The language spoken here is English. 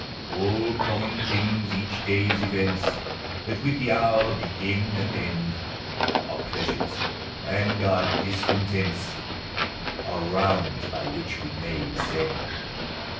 All common things, each day's events, That with the hour begin and end, HUMAN EXP&RIMOKtE. 295 Our pleasures and our discontents, Are rounds by which we may ascend.